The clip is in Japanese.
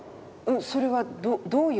それはどういう？